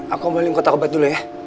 aku ambil kotak obat dulu ya